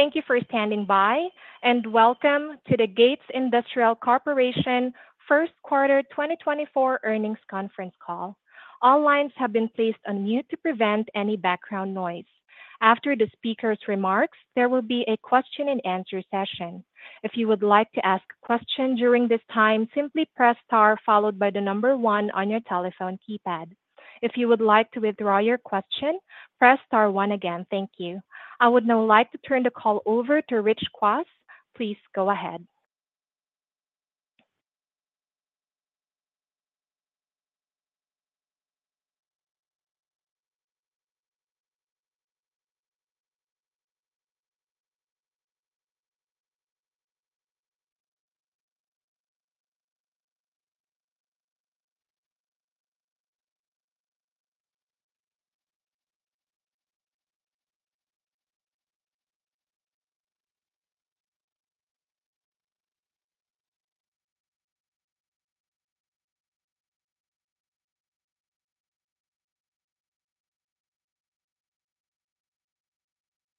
Thank you for standing by, and welcome to the Gates Industrial Corporation First Quarter 2024 Earnings Conference Call. All lines have been placed on mute to prevent any background noise. After the speaker's remarks, there will be a question and answer session. If you would like to ask a question during this time, simply press star followed by the number one on your telephone keypad. If you would like to withdraw your question, press star one again. Thank you. I would now like to turn the call over to Rich Kwas. Please go ahead.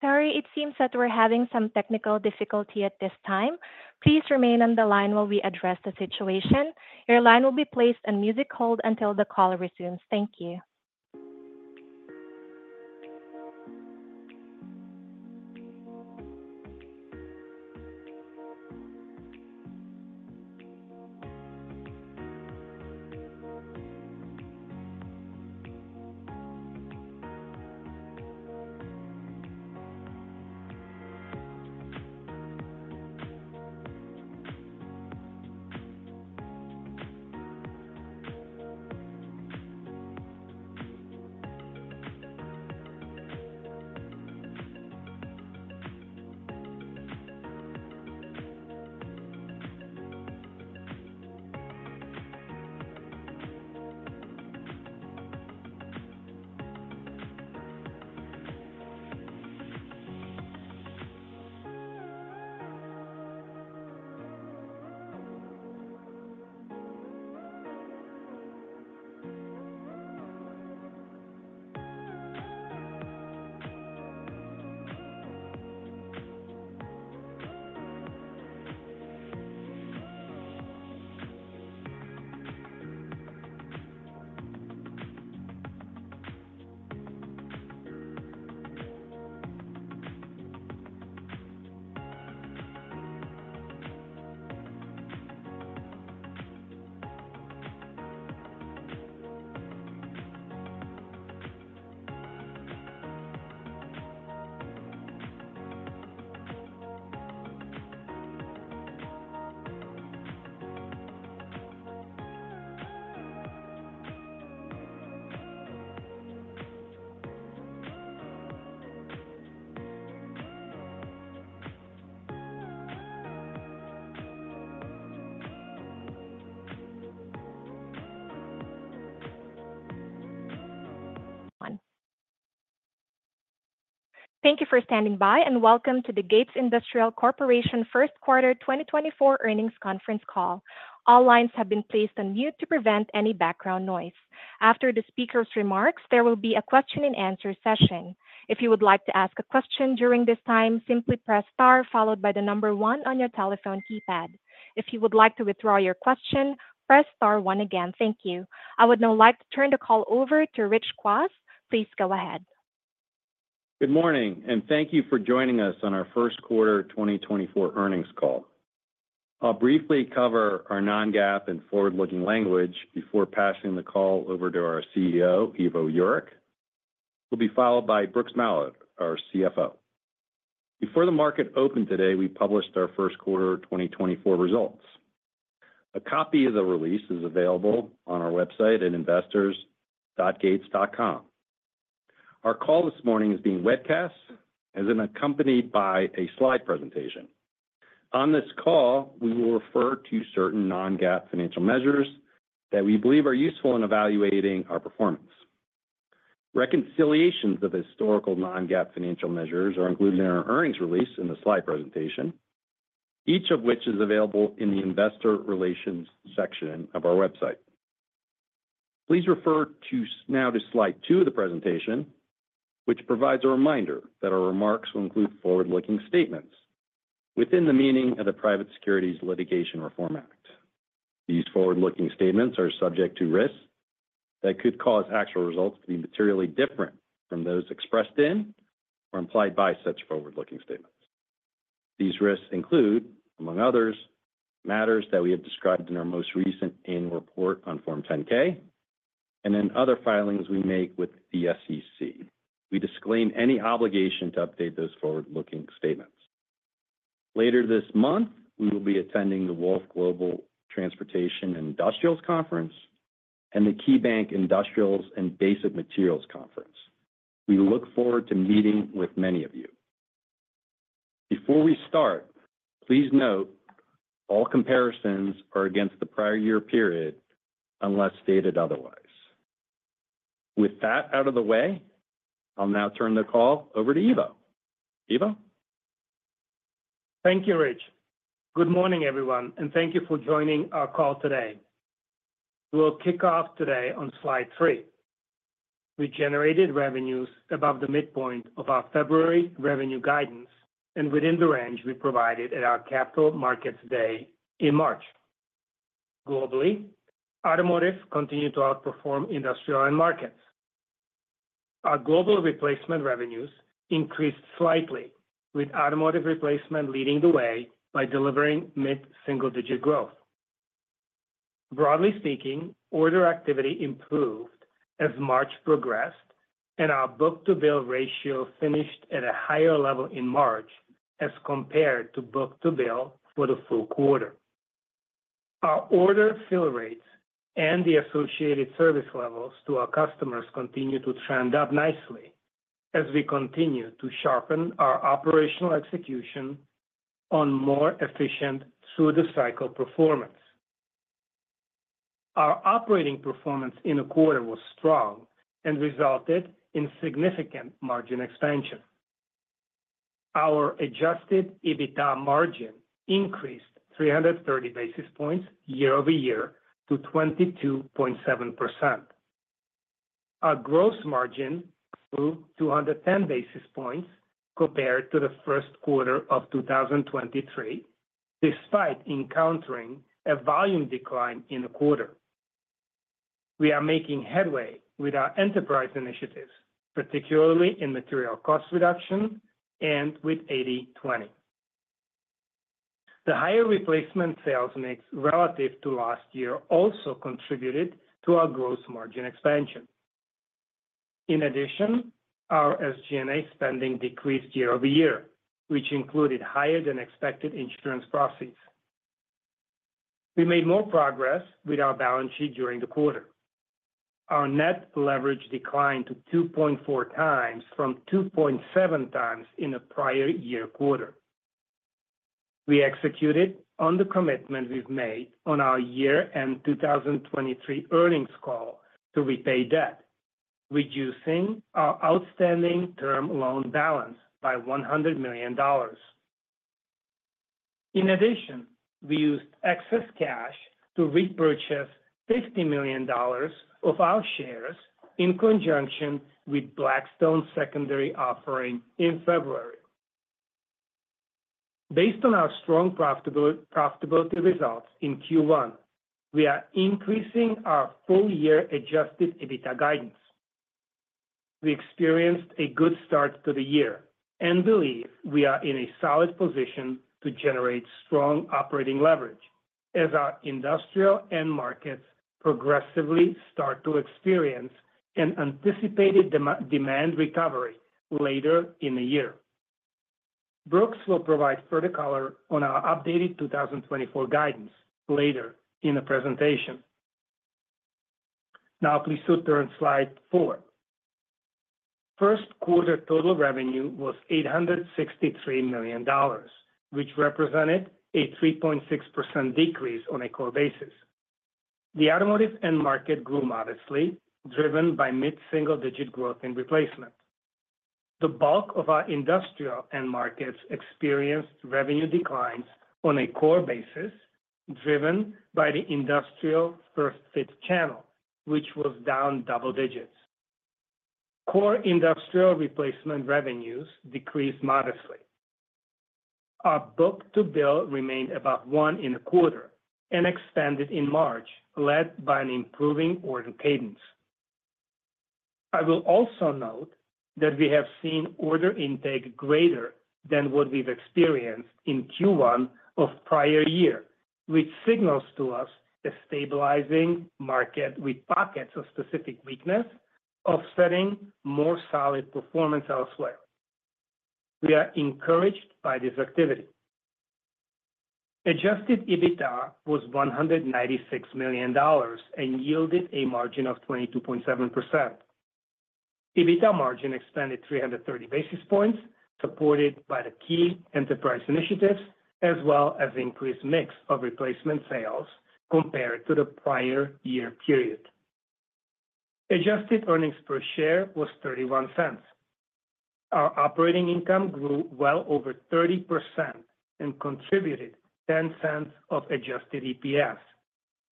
Sorry, it seems that we're having some technical difficulty at this time. Please remain on the line while we address the situation. Your line will be placed on music hold until the call resumes. Thank you. Thank you for standing by, and welcome to the Gates Industrial Corporation First Quarter 2024 Earnings Conference Call. All lines have been placed on mute to prevent any background noise. After the speaker's remarks, there will be a question and answer session. If you would like to ask a question during this time, simply press star followed by the number one on your telephone keypad. If you would like to withdraw your question, press star one again. Thank you. I would now like to turn the call over to Rich Kwas. Please go ahead. Good morning, and thank you for joining us on our first quarter 2024 earnings call. I'll briefly cover our non-GAAP and forward-looking language before passing the call over to our CEO, Ivo Jurek, who'll be followed by Brooks Mallard, our CFO. Before the market opened today, we published our first quarter 2024 results. A copy of the release is available on our website at investors.gates.com. Our call this morning is being webcast and is accompanied by a slide presentation. On this call, we will refer to certain non-GAAP financial measures that we believe are useful in evaluating our performance. Reconciliations of historical non-GAAP financial measures are included in our earnings release in the slide presentation, each of which is available in the Investor Relations section of our website. Please refer now to slide two of the presentation, which provides a reminder that our remarks will include forward-looking statements within the meaning of the Private Securities Litigation Reform Act. These forward-looking statements are subject to risks that could cause actual results to be materially different from those expressed in or implied by such forward-looking statements. These risks include, among others, matters that we have described in our most recent annual report on Form 10-K and in other filings we make with the SEC. We disclaim any obligation to update those forward-looking statements. Later this month, we will be attending the Wolfe Global Transportation and Industrials Conference and the KeyBanc Industrials and Basic Materials Conference. We look forward to meeting with many of you. Before we start, please note all comparisons are against the prior year period, unless stated otherwise. With that out of the way, I'll now turn the call over to Ivo. Ivo? Thank you, Rich. Good morning, everyone, and thank you for joining our call today. We'll kick off today on slide 3.... We generated revenues above the midpoint of our February revenue guidance, and within the range we provided at our Capital Markets Day in March. Globally, automotive continued to outperform industrial end markets. Our global replacement revenues increased slightly, with automotive replacement leading the way by delivering mid-single-digit growth. Broadly speaking, order activity improved as March progressed, and our book-to-bill ratio finished at a higher level in March as compared to book-to-bill for the full quarter. Our order fill rates and the associated service levels to our customers continued to trend up nicely as we continue to sharpen our operational execution on more efficient short-cycle performance. Our operating performance in the quarter was strong and resulted in significant margin expansion. Our adjusted EBITDA margin increased 330 basis points year-over-year to 22.7%. Our gross margin grew 210 basis points compared to the first quarter of 2023, despite encountering a volume decline in the quarter. We are making headway with our enterprise initiatives, particularly in material cost reduction and with 80/20. The higher replacement sales mix relative to last year also contributed to our gross margin expansion. In addition, our SG&A spending decreased year-over-year, which included higher-than-expected insurance proceeds. We made more progress with our balance sheet during the quarter. Our net leverage declined to 2.4x from 2.7x in the prior year quarter. We executed on the commitment we've made on our year-end 2023 earnings call to repay debt, reducing our outstanding term loan balance by $100 million. In addition, we used excess cash to repurchase $50 million of our shares in conjunction with Blackstone's secondary offering in February. Based on our strong profitability results in Q1, we are increasing our full-year adjusted EBITDA guidance. We experienced a good start to the year and believe we are in a solid position to generate strong operating leverage as our industrial end markets progressively start to experience an anticipated demand recovery later in the year. Brooks will provide further color on our updated 2024 guidance later in the presentation. Now, please do turn Slide 4. First quarter total revenue was $863 million, which represented a 3.6% decrease on a core basis. The automotive end market grew modestly, driven by mid-single-digit growth in replacement. The bulk of our industrial end markets experienced revenue declines on a core basis, driven by the industrial First-Fit channel, which was down double digits. Core industrial replacement revenues decreased modestly. Our book-to-bill remained about 1 in the quarter and expanded in March, led by an improving order cadence. I will also note that we have seen order intake greater than what we've experienced in Q1 of prior year, which signals to us a stabilizing market with pockets of specific weakness, offsetting more solid performance elsewhere. We are encouraged by this activity. Adjusted EBITDA was $196 million and yielded a margin of 22.7%. EBITDA margin expanded 330 basis points, supported by the key enterprise initiatives, as well as increased mix of replacement sales compared to the prior year period. Adjusted earnings per share was $0.31. Our operating income grew well over 30% and contributed $0.10 of adjusted EPS,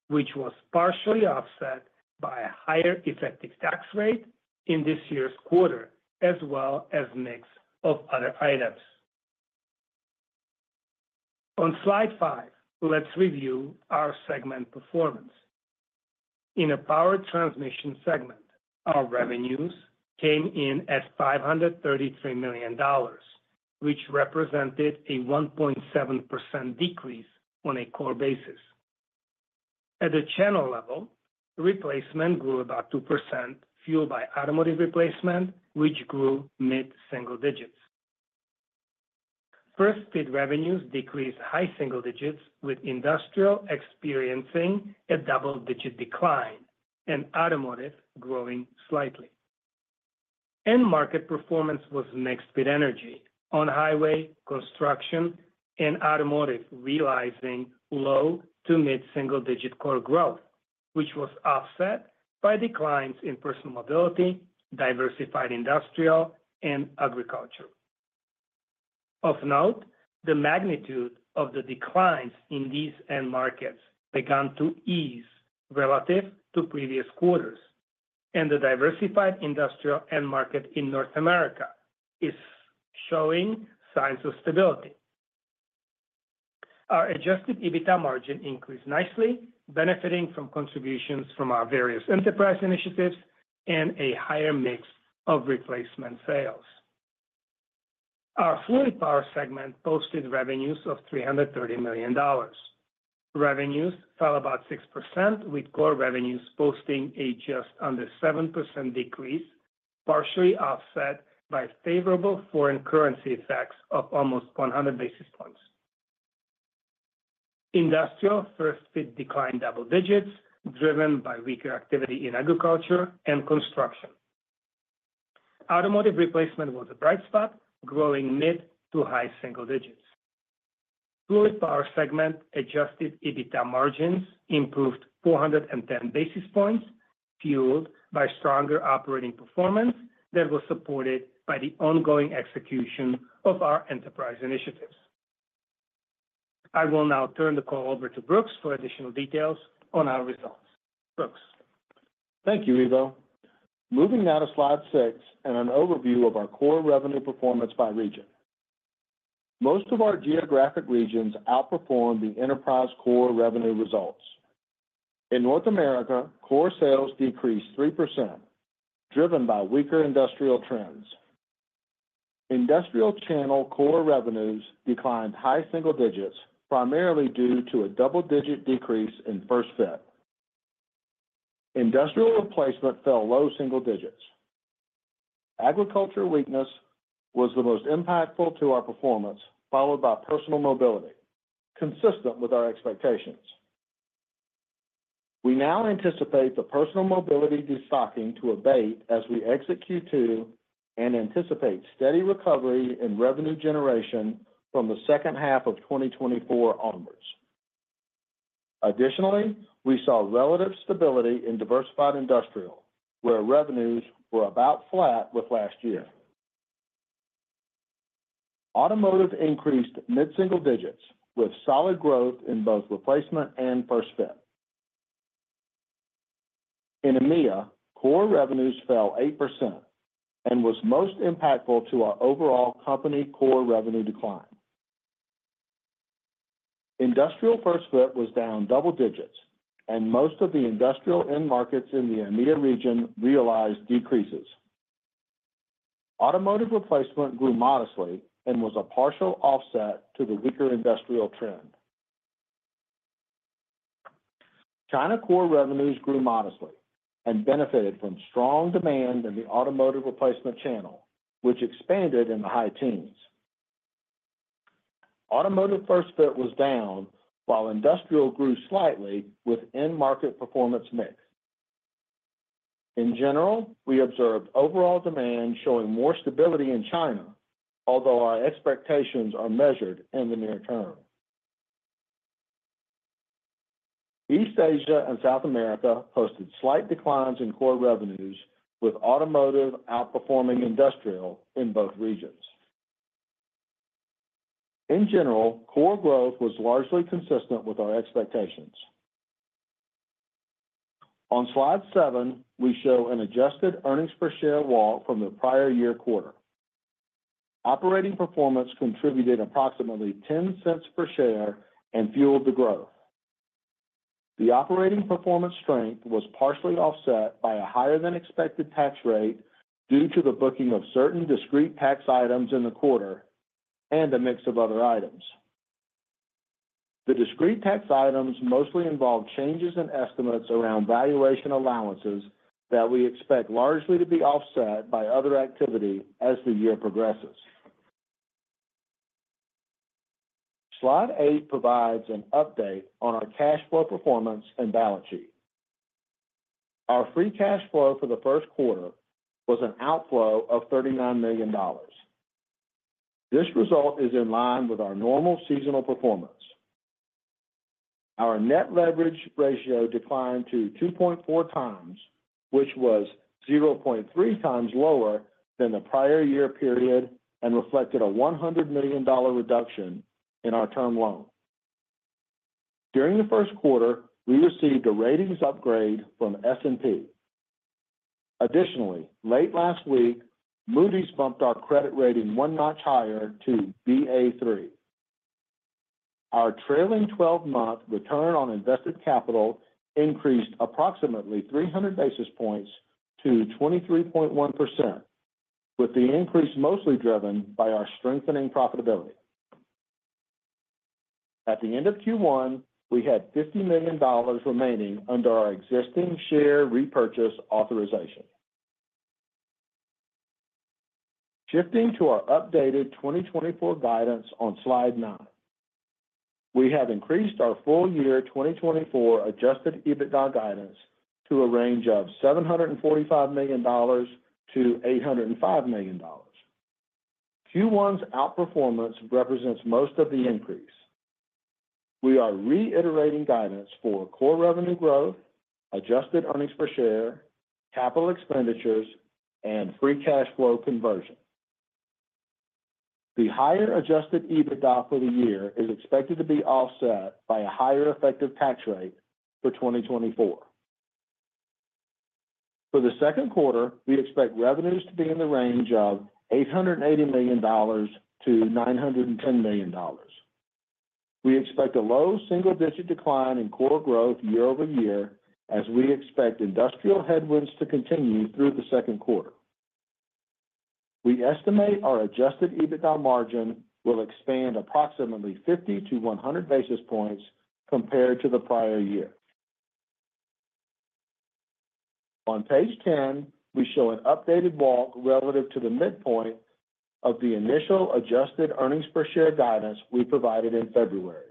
which was partially offset by a higher effective tax rate in this year's quarter, as well as mix of other items. On Slide 5, let's review our segment performance. In the Power Transmission segment, our revenues came in at $533 million, which represented a 1.7% decrease on a core basis. At the channel level, replacement grew about 2%, fueled by automotive replacement, which grew mid-single digits. First-Fit revenues decreased high single digits, with industrial experiencing a double-digit decline and automotive growing slightly. End market performance was mixed with energy, on-highway, construction, and automotive, realizing low- to mid-single-digit core growth, which was offset by declines in personal mobility, diversified industrial, and agriculture.... Of note, the magnitude of the declines in these end markets began to ease relative to previous quarters, and the diversified industrial end market in North America is showing signs of stability. Our adjusted EBITDA margin increased nicely, benefiting from contributions from our various enterprise initiatives and a higher mix of replacement sales. Our Fluid Power segment posted revenues of $330 million. Revenues fell about 6%, with core revenues posting a just under 7% decrease, partially offset by favorable foreign currency effects of almost 100 basis points. Industrial First-Fit declined double digits, driven by weaker activity in agriculture and construction. Automotive replacement was a bright spot, growing mid- to high-single digits. Fluid Power segment adjusted EBITDA margins improved 410 basis points, fueled by stronger operating performance that was supported by the ongoing execution of our enterprise initiatives. I will now turn the call over to Brooks for additional details on our results. Brooks? Thank you, Ivo. Moving now to Slide 6 and an overview of our core revenue performance by region. Most of our geographic regions outperformed the enterprise core revenue results. In North America, core sales decreased 3%, driven by weaker industrial trends. Industrial channel core revenues declined high single digits, primarily due to a double-digit decrease in First Fit. Industrial replacement fell low single digits. Agriculture weakness was the most impactful to our performance, followed by personal mobility, consistent with our expectations. We now anticipate the personal mobility destocking to abate as we exit Q2, and anticipate steady recovery in revenue generation from the second half of 2024 onwards. Additionally, we saw relative stability in diversified industrial, where revenues were about flat with last year. Automotive increased mid single digits, with solid growth in both replacement and First Fit. In EMEA, core revenues fell 8% and was most impactful to our overall company core revenue decline. Industrial First-Fit was down double digits, and most of the industrial end markets in the EMEA region realized decreases. Automotive replacement grew modestly and was a partial offset to the weaker industrial trend. China core revenues grew modestly and benefited from strong demand in the automotive replacement channel, which expanded in the high teens. Automotive First-Fit was down, while industrial grew slightly with end market performance mix. In general, we observed overall demand showing more stability in China, although our expectations are measured in the near term. East Asia and South America posted slight declines in core revenues, with automotive outperforming industrial in both regions. In general, core growth was largely consistent with our expectations. On Slide 7, we show an adjusted earnings per share walk from the prior year quarter. Operating performance contributed approximately $0.10 per share and fueled the growth. The operating performance strength was partially offset by a higher than expected tax rate due to the booking of certain discrete tax items in the quarter and a mix of other items. The discrete tax items mostly involve changes in estimates around valuation allowances that we expect largely to be offset by other activity as the year progresses. Slide 8 provides an update on our cash flow performance and balance sheet. Our free cash flow for the first quarter was an outflow of $39 million. This result is in line with our normal seasonal performance. Our net leverage ratio declined to 2.4x, which was 0.3x lower than the prior year period, and reflected a $100 million reduction in our term loan. During the first quarter, we received a ratings upgrade from S&P. Additionally, late last week, Moody's bumped our credit rating one notch higher to Ba3. Our trailing twelve-month return on invested capital increased approximately 300 basis points to 23.1%, with the increase mostly driven by our strengthening profitability. At the end of Q1, we had $50 million remaining under our existing share repurchase authorization. Shifting to our updated 2024 guidance on Slide 9. We have increased our full-year 2024 adjusted EBITDA guidance to a range of $745 million-$805 million. Q1's outperformance represents most of the increase.... We are reiterating guidance for core revenue growth, Adjusted earnings per share, capital expenditures, and free cash flow conversion. The higher Adjusted EBITDA for the year is expected to be offset by a higher effective tax rate for 2024. For the second quarter, we expect revenues to be in the range of $880 million-$910 million. We expect a low single-digit decline in core growth year-over-year, as we expect industrial headwinds to continue through the second quarter. We estimate our Adjusted EBITDA margin will expand approximately 50-100 basis points compared to the prior year. On page 10, we show an updated walk relative to the midpoint of the initial Adjusted earnings per share guidance we provided in February.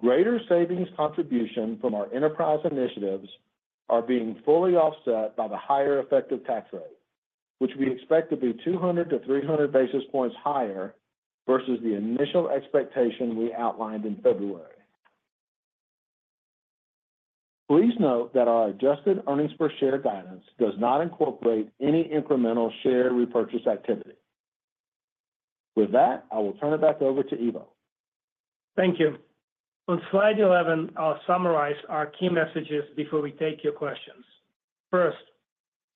Greater savings contribution from our enterprise initiatives are being fully offset by the higher effective tax rate, which we expect to be 200-300 basis points higher versus the initial expectation we outlined in February. Please note that our adjusted earnings per share guidance does not incorporate any incremental share repurchase activity. With that, I will turn it back over to Ivo. Thank you. On slide 11, I'll summarize our key messages before we take your questions. First,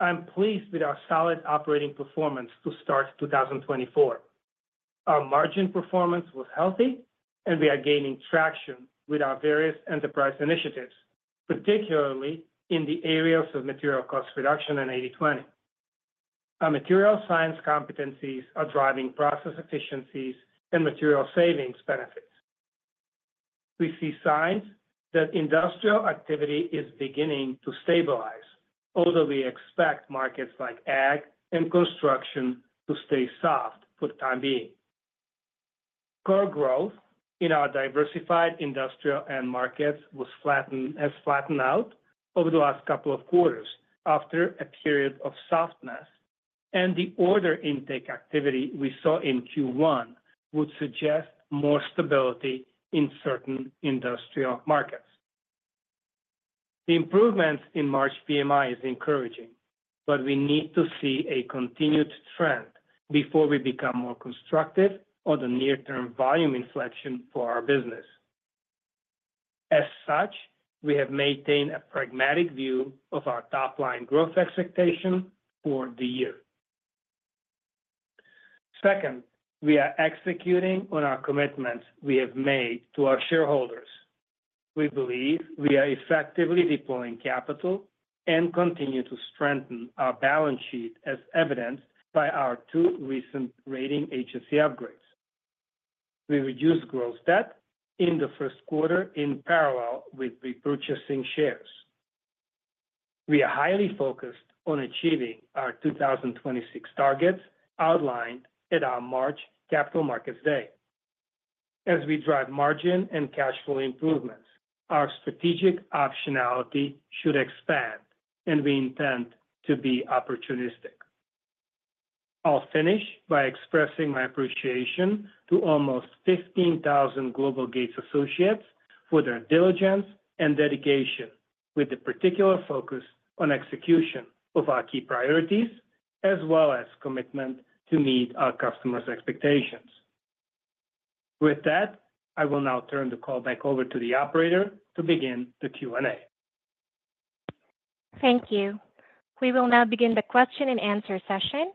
I'm pleased with our solid operating performance to start 2024. Our margin performance was healthy, and we are gaining traction with our various enterprise initiatives, particularly in the areas of material cost reduction and 80/20. Our material science competencies are driving process efficiencies and material savings benefits. We see signs that industrial activity is beginning to stabilize, although we expect markets like ag and construction to stay soft for the time being. Core growth in our diversified industrial end markets was flattened-has flattened out over the last couple of quarters after a period of softness, and the order intake activity we saw in Q1 would suggest more stability in certain industrial markets. The improvements in March PMI is encouraging, but we need to see a continued trend before we become more constructive on the near-term volume inflection for our business. As such, we have maintained a pragmatic view of our top-line growth expectation for the year. Second, we are executing on our commitments we have made to our shareholders. We believe we are effectively deploying capital and continue to strengthen our balance sheet, as evidenced by our two recent rating agency upgrades. We reduced gross debt in the first quarter in parallel with repurchasing shares. We are highly focused on achieving our 2026 targets outlined at our March Capital Markets Day. As we drive margin and cash flow improvements, our strategic optionality should expand, and we intend to be opportunistic. I'll finish by expressing my appreciation to almost 15,000 Global Gates associates for their diligence and dedication, with a particular focus on execution of our key priorities, as well as commitment to meet our customers' expectations. With that, I will now turn the call back over to the operator to begin the Q&A. Thank you. We will now begin the question-and-answer session.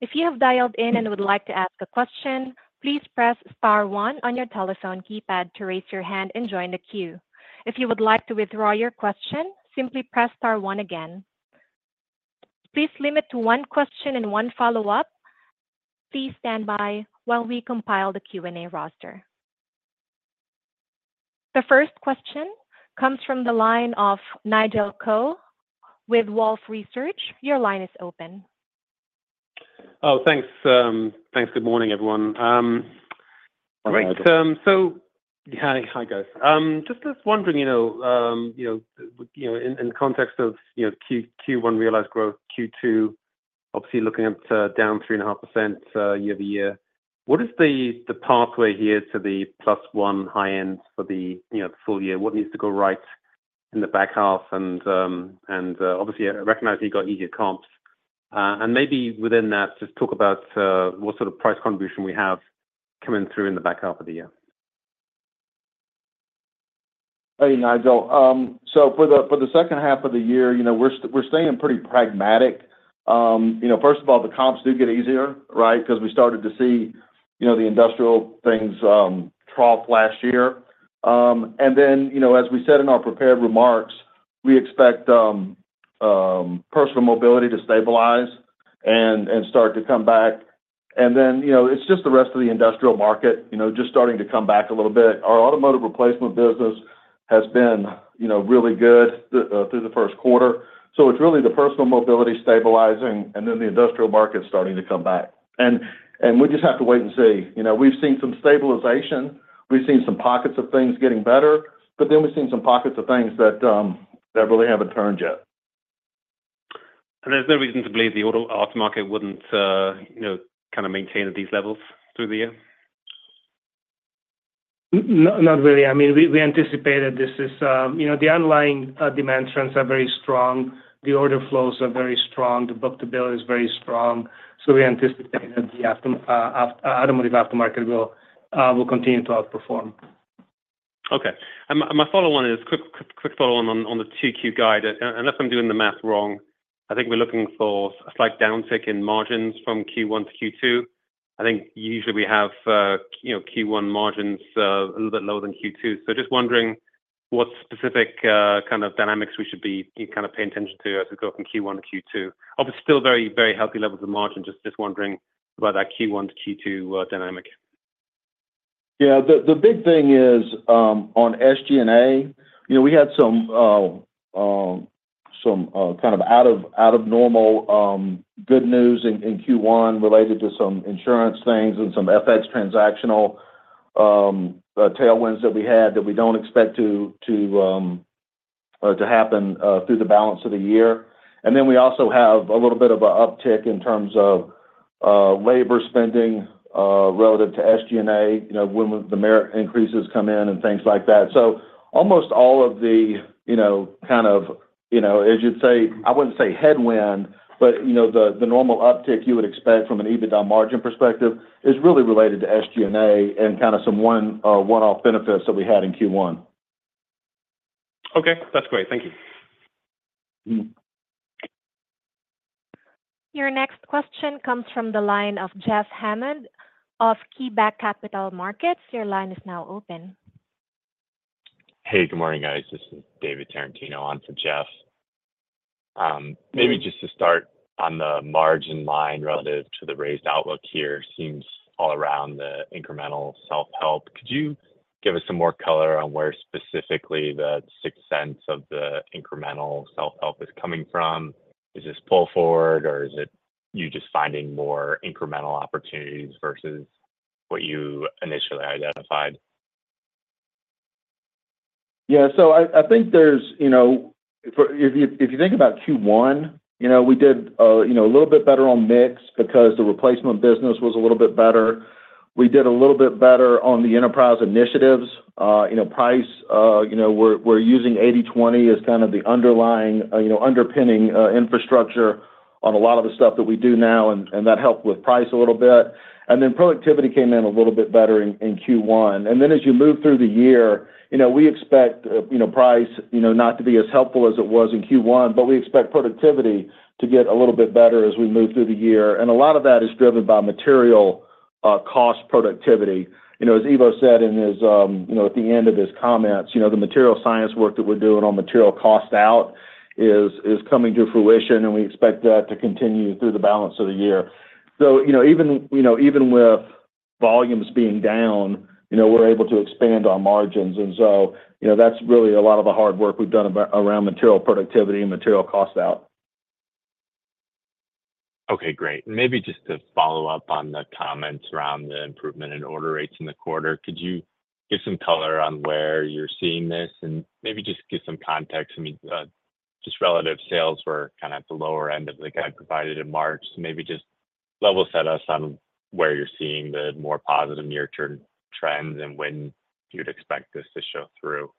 If you have dialed in and would like to ask a question, please press star one on your telephone keypad to raise your hand and join the queue. If you would like to withdraw your question, simply press star one again. Please limit to one question and one follow-up. Please stand by while we compile the Q&A roster. The first question comes from the line of Nigel Coe with Wolfe Research. Your line is open. Oh, thanks, thanks. Good morning, everyone. Great. Hi, Nigel. So, hi, guys. Just wondering, you know, you know, in the context of you know, Q1 realized growth, Q2 obviously looking at down 3.5% year-over-year, what is the pathway here to the +1% high end for the full year? What needs to go right in the back half? And obviously, I recognize you got easier comps. And maybe within that, just talk about what sort of price contribution we have coming through in the back half of the year. Hey, Nigel. So for the second half of the year, you know, we're staying pretty pragmatic. You know, first of all, the comps do get easier, right? Because we started to see, you know, the industrial things trough last year. And then, you know, as we said in our prepared remarks, we expect personal mobility to stabilize and start to come back. And then, you know, it's just the rest of the industrial market, you know, just starting to come back a little bit. Our automotive replacement business has been, you know, really good through the first quarter. So it's really the personal mobility stabilizing and then the industrial market starting to come back. And we just have to wait and see. You know, we've seen some stabilization, we've seen some pockets of things getting better, but then we've seen some pockets of things that, that really haven't turned yet.... There's no reason to believe the auto aftermarket wouldn't, you know, kind of maintain at these levels through the year? Not, not really. I mean, we anticipated this is, you know, the underlying demand trends are very strong. The order flows are very strong. The book-to-bill is very strong, so we anticipate that the automotive aftermarket will continue to outperform. Okay. My follow-on is quick follow-on on the 2Q guide. Unless I'm doing the math wrong, I think we're looking for a slight downtick in margins from Q1 to Q2. I think usually we have, you know, Q1 margins a little bit lower than Q2. So just wondering what specific kind of dynamics we should be kind of paying attention to as we go from Q1 to Q2. Obviously, still very, very healthy levels of margin, just wondering about that Q1 to Q2 dynamic. Yeah, the big thing is on SG&A, you know, we had some kind of out of normal good news in Q1 related to some insurance things and some FX transactional tailwinds that we had that we don't expect to happen through the balance of the year. And then we also have a little bit of a uptick in terms of labor spending relative to SG&A, you know, when the merit increases come in and things like that. So almost all of the, you know, kind of, you know, as you'd say, I wouldn't say headwind, but, you know, the normal uptick you would expect from an EBITDA margin perspective is really related to SG&A and kinda some one-off benefits that we had in Q1. Okay. That's great. Thank you. Mm-hmm. Your next question comes from the line of Jeff Hammond of KeyBanc Capital Markets. Your line is now open. Hey, good morning, guys. This is David Tarantino on for Jeff. Maybe just to start on the margin line relative to the raised outlook here, seems all around the incremental self-help. Could you give us some more color on where specifically the six cents of the incremental self-help is coming from? Is this pull forward, or is it you just finding more incremental opportunities versus what you initially identified? Yeah, so I think there's, you know, if you think about Q1, you know, we did a little bit better on mix because the replacement business was a little bit better. We did a little bit better on the enterprise initiatives. You know, price, you know, we're using 80/20 as kind of the underlying, you know, underpinning infrastructure on a lot of the stuff that we do now, and that helped with price a little bit. And then productivity came in a little bit better in Q1. And then as you move through the year, you know, we expect, you know, price, you know, not to be as helpful as it was in Q1, but we expect productivity to get a little bit better as we move through the year. A lot of that is driven by material cost productivity. You know, as Ivo said in his you know, at the end of his comments, you know, the material science work that we're doing on material cost out is coming to fruition, and we expect that to continue through the balance of the year. So, you know, even with volumes being down, you know, we're able to expand our margins. So, you know, that's really a lot of the hard work we've done around material productivity and material cost out. Okay, great. Maybe just to follow up on the comments around the improvement in order rates in the quarter, could you give some color on where you're seeing this? And maybe just give some context. I mean, just relative sales were kind of at the lower end of the guide provided in March. So maybe just level set us on where you're seeing the more positive near-term trends and when you'd expect this to show through?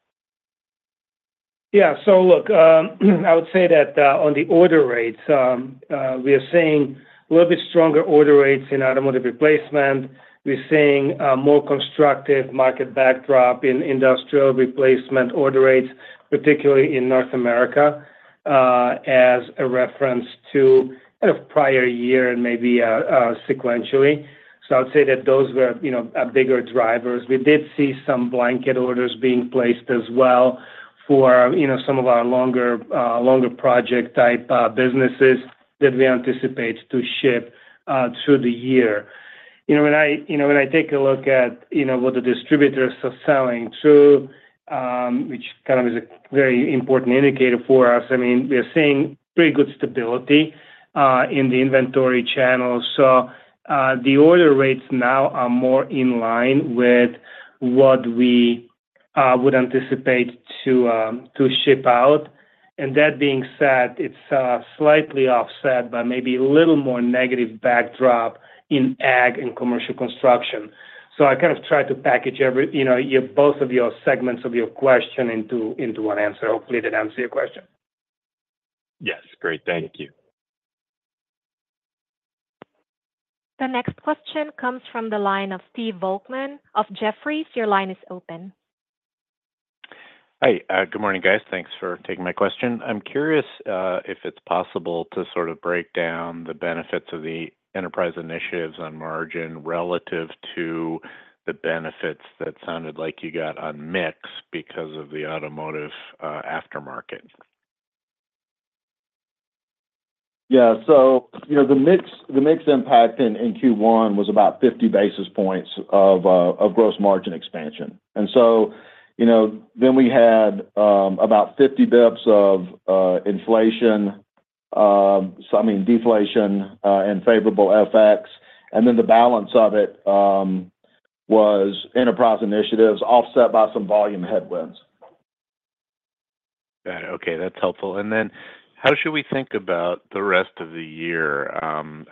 Yeah. So look, I would say that on the order rates, we are seeing a little bit stronger order rates in automotive replacement. We're seeing a more constructive market backdrop in industrial replacement order rates, particularly in North America as a reference to kind of prior year and maybe sequentially. So I would say that those were, you know, bigger drivers. We did see some blanket orders being placed as well for, you know, some of our longer project-type businesses that we anticipate to ship through the year. You know, when I, you know, when I take a look at, you know, what the distributors are selling through, which kind of is a very important indicator for us, I mean, we are seeing pretty good stability in the inventory channels. So, the order rates now are more in line with what we would anticipate to ship out. And that being said, it's slightly offset by maybe a little more negative backdrop in ag and commercial construction. So I kind of tried to package you know, both of your segments of your question into one answer. Hopefully, that answers your question. Yes. Great. Thank you. The next question comes from the line of Stephen Volkmann of Jefferies. Your line is open. Hi, good morning, guys. Thanks for taking my question. I'm curious, if it's possible to sort of break down the benefits of the enterprise initiatives on margin relative to the benefits that sounded like you got on mix because of the automotive, aftermarket. Yeah. So, you know, the mix, the mix impact in Q1 was about 50 basis points of gross margin expansion. And so, you know, then we had about 50 bps of inflation, so I mean, deflation, and favorable FX. And then the balance of it was enterprise initiatives offset by some volume headwinds.... Got it. Okay, that's helpful. And then how should we think about the rest of the year?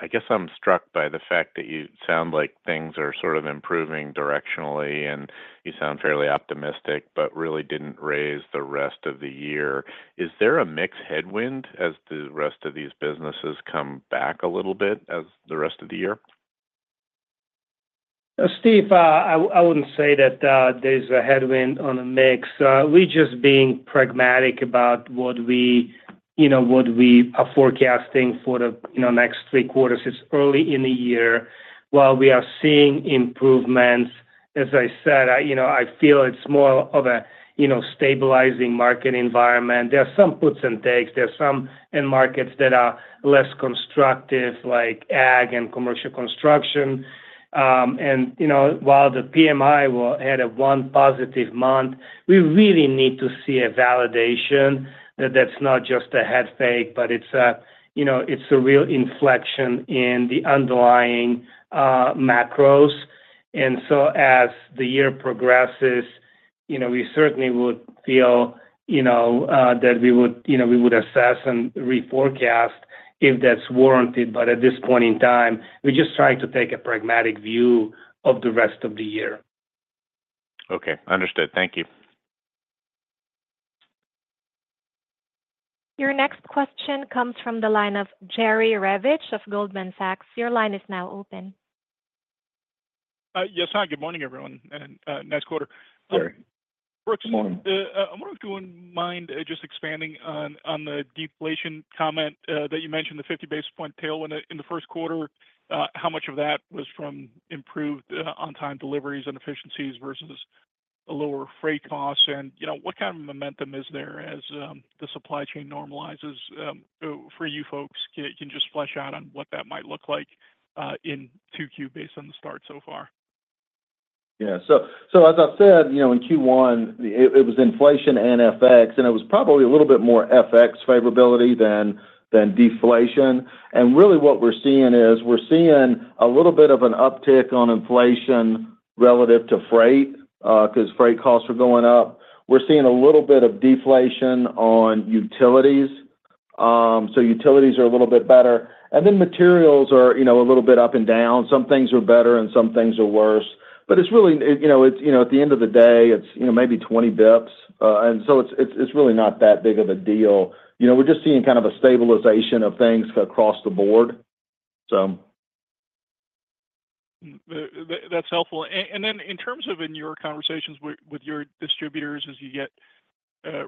I guess I'm struck by the fact that you sound like things are sort of improving directionally, and you sound fairly optimistic, but really didn't raise the rest of the year. Is there a mixed headwind as the rest of these businesses come back a little bit as the rest of the year? Steve, I wouldn't say that there's a headwind on the mix. We're just being pragmatic about what we, you know, what we are forecasting for the, you know, next three quarters. It's early in the year. While we are seeing improvements, as I said, you know, I feel it's more of a, you know, stabilizing market environment. There are some puts and takes. There are some end markets that are less constructive, like ag and commercial construction. And, you know, while the PMI just had one positive month, we really need to see a validation that that's not just a head fake, but it's a, you know, it's a real inflection in the underlying macros. And so, as the year progresses, you know, we certainly would feel, you know, that we would, you know, we would assess and reforecast if that's warranted. But at this point in time, we're just trying to take a pragmatic view of the rest of the year. Okay, understood. Thank you. Your next question comes from the line of Jerry Revich of Goldman Sachs. Your line is now open. Yes, hi, good morning, everyone, and nice quarter. Sure. Good morning. I wonder if you wouldn't mind, just expanding on, on the deflation comment, that you mentioned, the 50 basis point tailwind in, in the first quarter. How much of that was from improved, on-time deliveries and efficiencies versus a lower freight cost? And, you know, what kind of momentum is there as, the supply chain normalizes, for you folks? Can, you just flesh out on what that might look like, in 2Q based on the start so far? Yeah. So as I said, you know, in Q1, it was inflation and FX, and it was probably a little bit more FX favorability than deflation. And really, what we're seeing is a little bit of an uptick on inflation relative to freight, 'cause freight costs are going up. We're seeing a little bit of deflation on utilities. So utilities are a little bit better. And then materials are, you know, a little bit up and down. Some things are better and some things are worse. But it's really, you know, at the end of the day, maybe 20 basis points. And so it's really not that big of a deal. You know, we're just seeing kind of a stabilization of things across the board, so. That's helpful. And then in terms of your conversations with your distributors as you get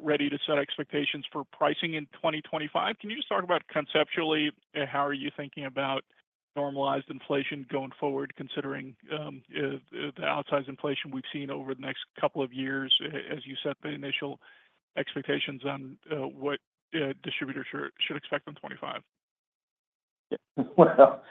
ready to set expectations for pricing in 2025, can you just talk about conceptually how are you thinking about normalized inflation going forward, considering the outsized inflation we've seen over the next couple of years, as you set the initial expectations on what distributors should expect in 2025? Well,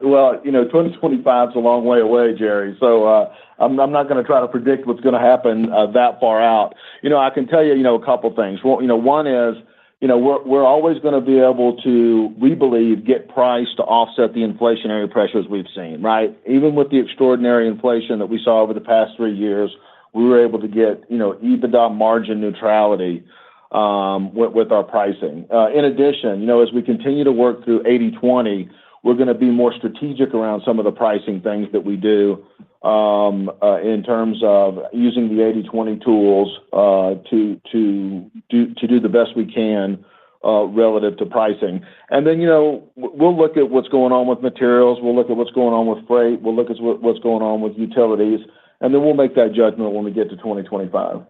well, you know, 2025 is a long way away, Jerry, so, I'm not gonna try to predict what's gonna happen, that far out. You know, I can tell you, you know, a couple things. One, you know, one is, you know, we're always gonna be able to, we believe, get price to offset the inflationary pressures we've seen, right? Even with the extraordinary inflation that we saw over the past three years, we were able to get, you know, EBITDA margin neutrality, with our pricing. In addition, you know, as we continue to work through 80/20, we're gonna be more strategic around some of the pricing things that we do, in terms of using the 80/20 tools, to do the best we can, relative to pricing. Then, you know, we'll look at what's going on with materials. We'll look at what's going on with freight. We'll look at what's going on with utilities, and then we'll make that judgment when we get to 2025.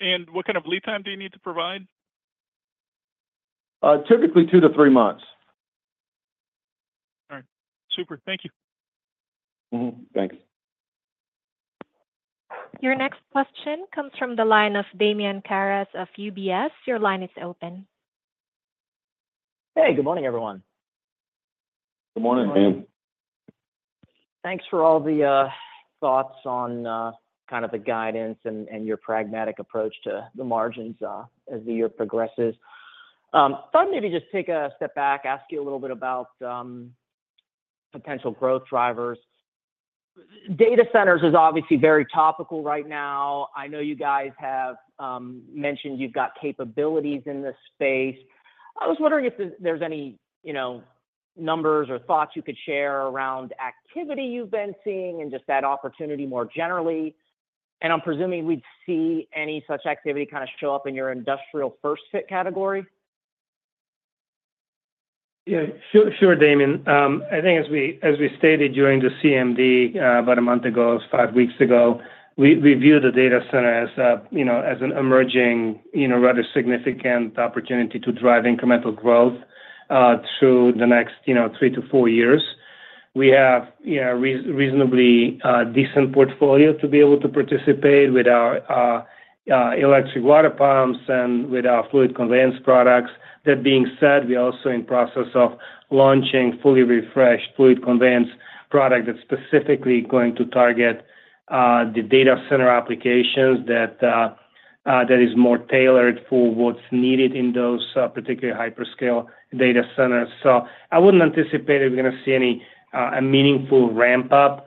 And what kind of lead time do you need to provide? Typically 2-3 months. All right. Super. Thank you. Mm-hmm. Thanks. Your next question comes from the line of Damian Karas of UBS. Your line is open. Hey, good morning, everyone. Good morning, Damian. Good morning. Thanks for all the thoughts on kind of the guidance and your pragmatic approach to the margins as the year progresses. Thought maybe just take a step back, ask you a little bit about potential growth drivers. Data centers is obviously very topical right now. I know you guys have mentioned you've got capabilities in this space. I was wondering if there's any, you know, numbers or thoughts you could share around activity you've been seeing and just that opportunity more generally. And I'm presuming we'd see any such activity kind of show up in your industrial First-Fit category? Yeah. Sure, sure, Damian. I think as we, as we stated during the CMD, about a month ago, it was 5 weeks ago, we, we view the data center as a, you know, as an emerging, you know, rather significant opportunity to drive incremental growth, through the next, you know, 3-4 years. We have, you know, reasonably, decent portfolio to be able to participate with our, electric water pumps and with our fluid conveyance products. That being said, we are also in process of launching fully refreshed fluid conveyance product that's specifically going to target, the data center applications that, that is more tailored for what's needed in those, particular hyperscale data centers. So I wouldn't anticipate we're gonna see any, a meaningful ramp up,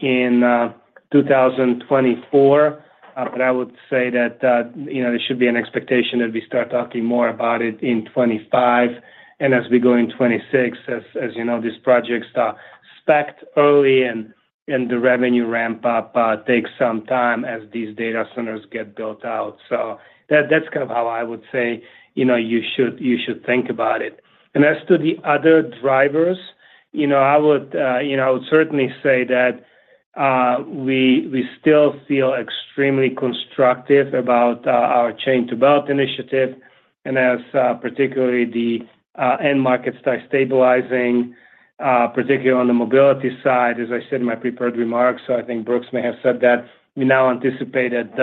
in, 2024. But I would say that, you know, there should be an expectation that we start talking more about it in 2025, and as we go in 2026. As you know, these projects are spec'd early, and the revenue ramp up takes some time as these data centers get built out. So that's kind of how I would say, you know, you should think about it. And as to the other drivers, you know, I would you know, I would certainly say that we still feel extremely constructive about our Chain-to-Belt initiative. And as particularly the end market starts stabilizing, particularly on the mobility side, as I said in my prepared remarks, so I think Brooks may have said that we now anticipate that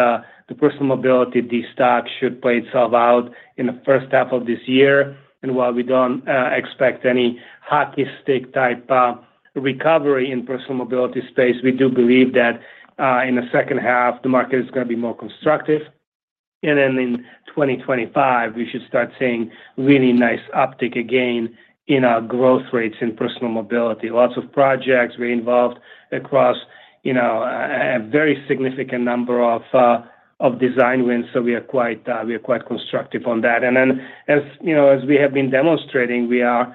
the personal mobility destock should play itself out in the first half of this year. And while we don't expect any hockey stick type recovery in personal mobility space, we do believe that in the second half, the market is gonna be more constructive. And then in 2025, we should start seeing really nice uptick again in our growth rates in personal mobility. Lots of projects we're involved across, you know, a very significant number of design wins, so we are quite constructive on that. And then, as you know, as we have been demonstrating, we are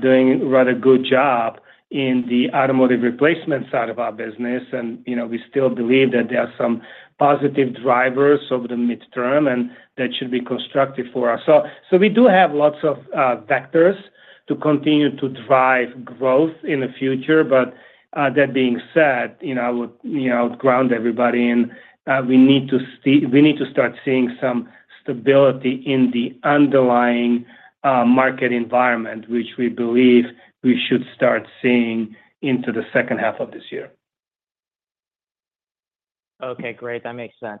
doing a rather good job in the automotive replacement side of our business. And, you know, we still believe that there are some positive drivers over the midterm, and that should be constructive for us. So we do have lots of vectors to continue to drive growth in the future. But that being said, you know, I would you know, ground everybody, and we need to start seeing some stability in the underlying market environment, which we believe we should start seeing into the second half of this year. Okay, great. That makes sense.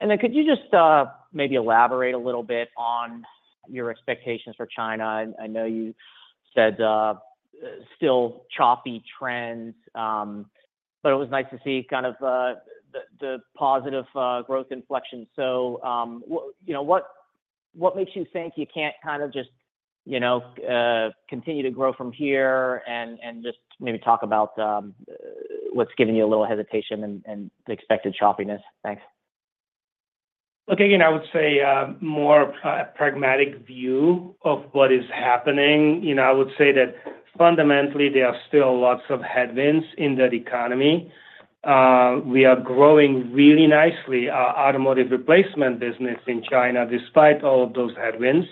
And then could you just, maybe elaborate a little bit on your expectations for China? I know you said, still choppy trends, but it was nice to see kind of, the positive, growth inflection. So, you know, what makes you think you can't kind of just, you know, continue to grow from here and just maybe talk about, what's giving you a little hesitation and the expected choppiness? Thanks. Look, again, I would say more pragmatic view of what is happening. You know, I would say that fundamentally, there are still lots of headwinds in that economy. We are growing really nicely, our automotive replacement business in China, despite all of those headwinds.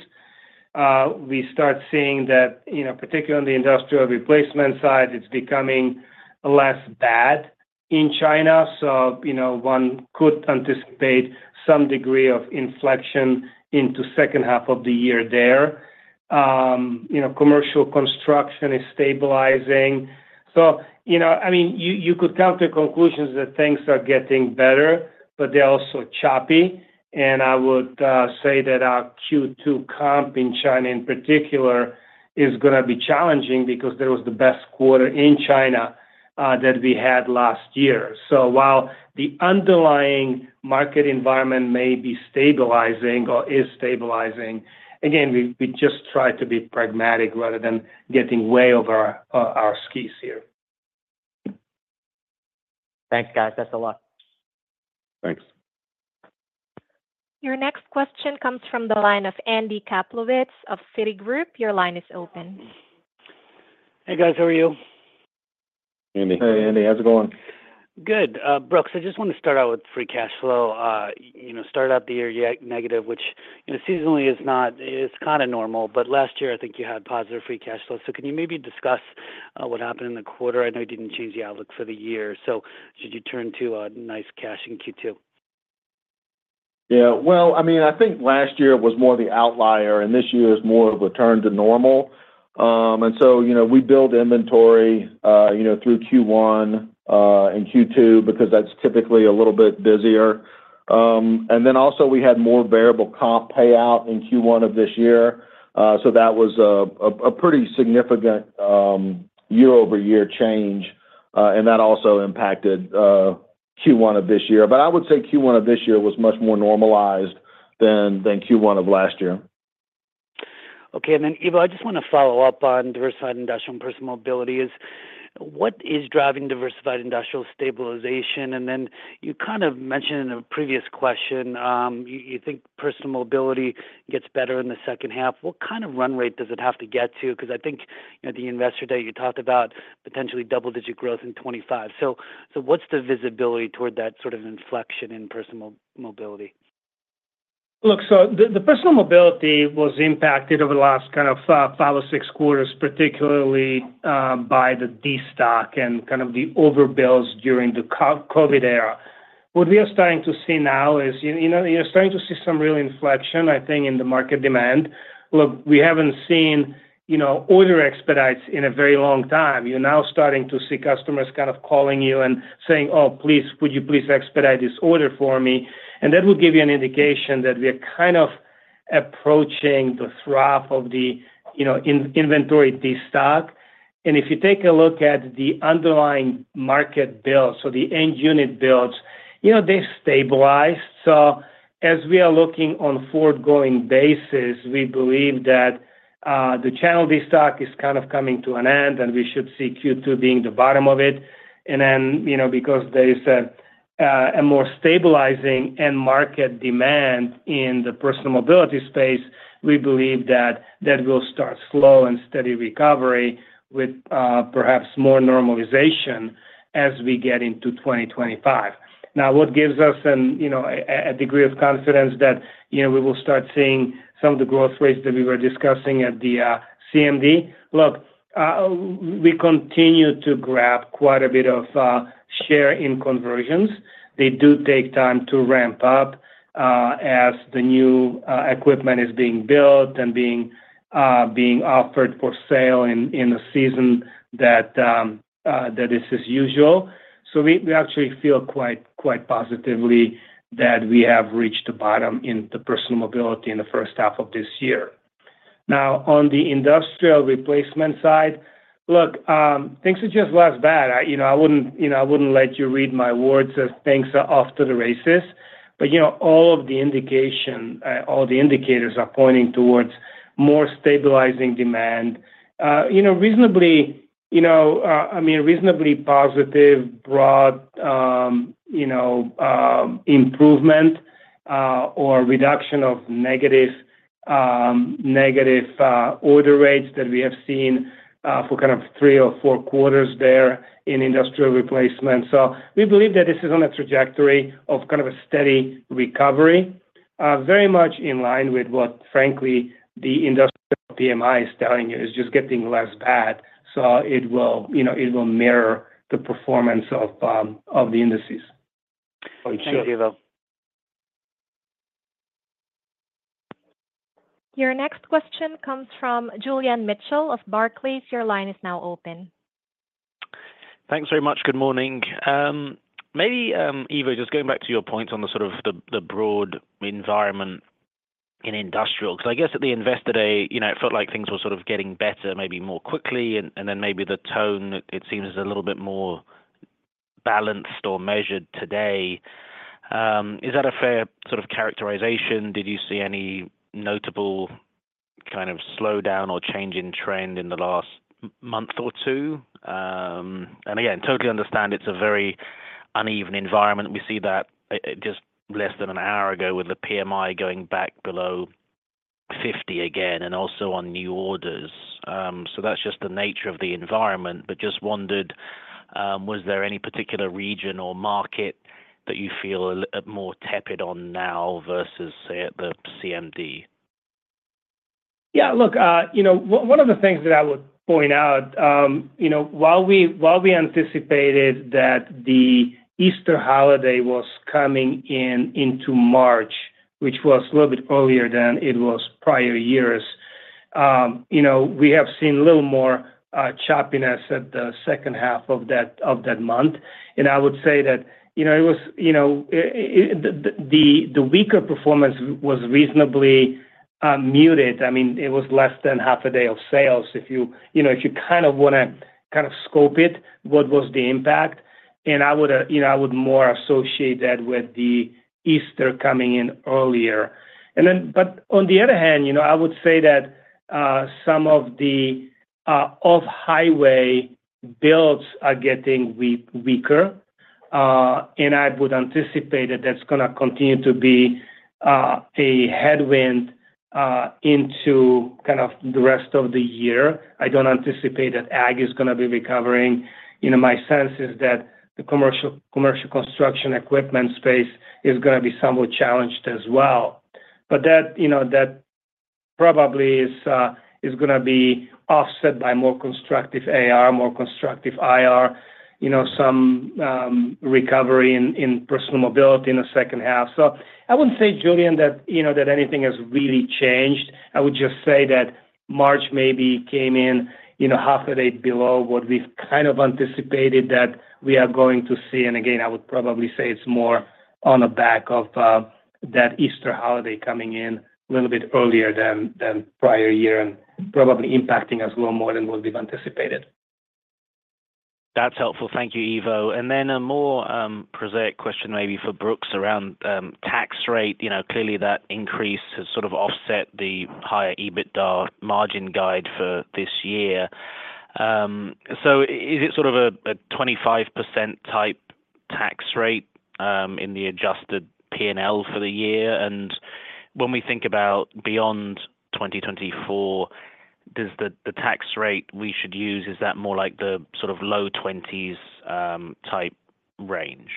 We start seeing that, you know, particularly on the industrial replacement side, it's becoming less bad in China. So, you know, one could anticipate some degree of inflection into second half of the year there. You know, commercial construction is stabilizing. So, you know, I mean, you could come to conclusions that things are getting better, but they're also choppy. And I would say that our Q2 comp in China, in particular, is gonna be challenging because that was the best quarter in China that we had last year. While the underlying market environment may be stabilizing or is stabilizing, again, we just try to be pragmatic rather than getting way over our skis here. Thanks, guys. That's a lot. Thanks. Your next question comes from the line of Andy Kaplowitz of Citigroup. Your line is open. Hey, guys, how are you? Andy. Hey, Andy. How's it going? Good. Brooks, I just want to start out with free cash flow. You know, start out the year yet negative, which, you know, seasonally is not... It's kinda normal, but last year, I think you had positive free cash flow. So can you maybe discuss what happened in the quarter? I know you didn't change the outlook for the year, so should you turn to nice cash in Q2. Yeah. Well, I mean, I think last year was more the outlier, and this year is more of a return to normal. So, you know, we build inventory, you know, through Q1 and Q2, because that's typically a little bit busier. And then also, we had more variable comp payout in Q1 of this year, so that was a pretty significant year-over-year change, and that also impacted Q1 of this year. But I would say Q1 of this year was much more normalized than Q1 of last year. Okay. And then, Ivo, I just want to follow up on diversified industrial and personal mobility is: What is driving diversified industrial stabilization? And then you kind of mentioned in a previous question, you think personal mobility gets better in the second half. What kind of run rate does it have to get to? Because I think, you know, the investor day, you talked about potentially double-digit growth in 25. So what's the visibility toward that sort of inflection in personal mobility? Look, so the personal mobility was impacted over the last kind of 5 or 6 quarters, particularly by the destock and kind of the overbuild during the COVID era. What we are starting to see now is, you know, you're starting to see some real inflection, I think, in the market demand. Look, we haven't seen, you know, order expedites in a very long time. You're now starting to see customers kind of calling you and saying, "Oh, please, would you please expedite this order for me?" And that will give you an indication that we are kind of approaching the trough of the, you know, inventory destock. And if you take a look at the underlying market build, so the end unit builds, you know, they stabilize. So as we are looking on forward-going basis, we believe that the channel destock is kind of coming to an end, and we should see Q2 being the bottom of it. And then, you know, because there is a more stabilizing end market demand in the personal mobility space, we believe that that will start slow and steady recovery with, perhaps more normalization as we get into 2025. Now, what gives us an, you know, a degree of confidence that, you know, we will start seeing some of the growth rates that we were discussing at the CMD? Look, we continue to grab quite a bit of share in conversions. They do take time to ramp up, as the new equipment is being built and being offered for sale in a season that is as usual. So we actually feel quite positively that we have reached the bottom in the personal mobility in the first half of this year. Now, on the industrial replacement side, look, things are just less bad. You know, I wouldn't let you read my words as things are off to the races. But, you know, all of the indications are pointing towards more stabilizing demand. You know, reasonably, you know, I mean, reasonably positive, broad, you know, improvement or reduction of negative, negative order rates that we have seen for kind of three or four quarters there in industrial replacement. So we believe that this is on a trajectory of kind of a steady recovery, very much in line with what, frankly, the industrial PMI is telling you, is just getting less bad, so it will, you know, it will mirror the performance of, of the indices. Thank you, Ivo. Your next question comes from Julian Mitchell of Barclays. Your line is now open. Thanks very much. Good morning. Maybe, Ivo, just going back to your point on the sort of the broad environment in industrial, 'cause I guess at the Investor Day, you know, it felt like things were sort of getting better, maybe more quickly, and then maybe the tone, it seems a little bit more balanced or measured today. Is that a fair sort of characterization? Did you see any notable kind of slowdown or change in trend in the last month or two? And again, totally understand it's a very uneven environment. We see that, just less than an hour ago, with the PMI going back below 50 again, and also on new orders. So that's just the nature of the environment, but just wondered, was there any particular region or market that you feel a little more tepid on now versus, say, at the CMD? Yeah, look, you know, one of the things that I would point out, you know, while we anticipated that the Easter holiday was coming into March, which was a little bit earlier than it was prior years, you know, we have seen a little more choppiness in the second half of that month. And I would say that, you know, it was the weaker performance was reasonably muted. I mean, it was less than half a day of sales. If you, you know, if you kind of wanna kind of scope it, what was the impact? And I would, you know, I would more associate that with the Easter coming in earlier. On the other hand, you know, I would say that some of the off-highway builds are getting weaker, and I would anticipate that that's gonna continue to be a headwind into kind of the rest of the year. I don't anticipate that ag is gonna be recovering. You know, my sense is that the commercial construction equipment space is gonna be somewhat challenged as well. But that, you know, that probably is gonna be offset by more constructive AR, more constructive IR, you know, some recovery in personal mobility in the second half. So I wouldn't say, Julian, that, you know, that anything has really changed. I would just say that March maybe came in, you know, half a day below what we've kind of anticipated that we are going to see. And again, I would probably say it's more on the back of that Easter holiday coming in a little bit earlier than prior year and probably impacting us little more than what we've anticipated. That's helpful. Thank you, Ivo. And then a more prosaic question maybe for Brooks around tax rate. You know, clearly that increase has sort of offset the higher EBITDA margin guide for this year. So is it sort of a 25% type tax rate in the adjusted P&L for the year? And when we think about beyond 2024, does the tax rate we should use, is that more like the sort of low 20s type range?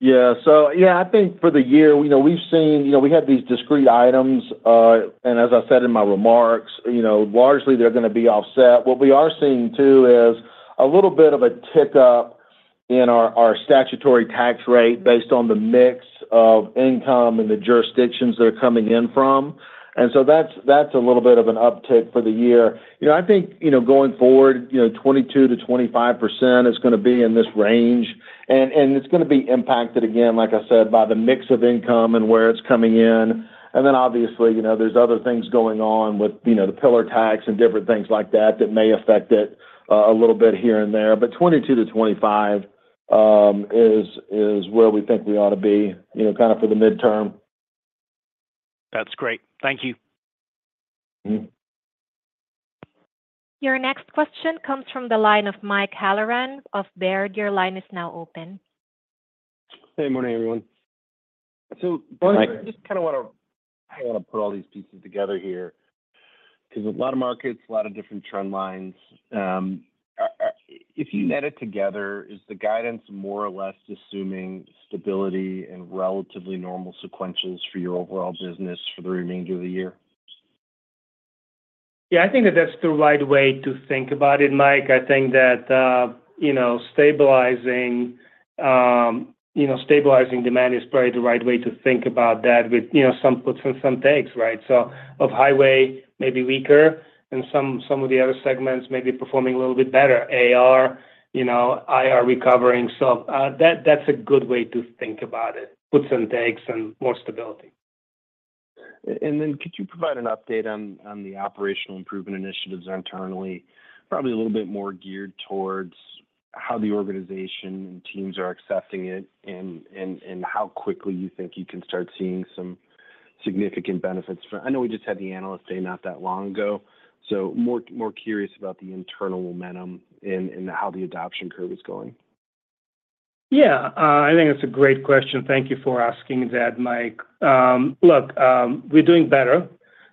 Yeah. So yeah, I think for the year, you know, we've seen... You know, we had these discrete items, and as I said in my remarks, you know, largely they're gonna be offset. What we are seeing, too, is a little bit of a tick up in our, our statutory tax rate based on the mix of income and the jurisdictions that are coming in from.... And so that's, that's a little bit of an uptick for the year. You know, I think, you know, going forward, you know, 22%-25% is gonna be in this range, and, and it's gonna be impacted, again, like I said, by the mix of income and where it's coming in. And then obviously, you know, there's other things going on with, you know, the pillar tax and different things like that that may affect it, a little bit here and there. But 22%-25%, is, is where we think we ought to be, you know, kind of for the midterm. That's great. Thank you. Mm-hmm. Your next question comes from the line of Mike Halloran of Baird. Your line is now open. Hey, good morning, everyone. Hi I just kinda wanna, I wanna put all these pieces together here, 'cause a lot of markets, a lot of different trend lines. If you net it together, is the guidance more or less assuming stability and relatively normal sequences for your overall business for the remainder of the year? Yeah, I think that that's the right way to think about it, Mike. I think that, you know, stabilizing, you know, stabilizing demand is probably the right way to think about that with, you know, some puts and some takes, right? So of highway, maybe weaker, and some, some of the other segments may be performing a little bit better. AR, you know, IR recovering. So, that, that's a good way to think about it, puts and takes and more stability. And then could you provide an update on the operational improvement initiatives internally? Probably a little bit more geared towards how the organization and teams are accepting it and how quickly you think you can start seeing some significant benefits from—I know we just had the analyst day not that long ago, so more curious about the internal momentum and how the adoption curve is going. Yeah, I think that's a great question. Thank you for asking that, Mike. Look, we're doing better.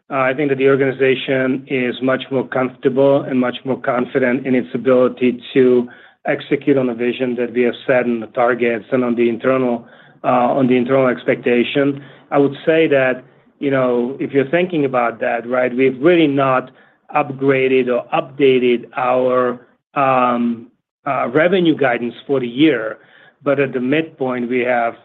I think that the organization is much more comfortable and much more confident in its ability to execute on the vision that we have set, and the targets, and on the internal expectation. I would say that, you know, if you're thinking about that, right? We've really not upgraded or updated our revenue guidance for the year, but at the midpoint, we have,